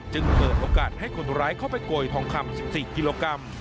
เปิดโอกาสให้คนร้ายเข้าไปโกยทองคำ๑๔กิโลกรัม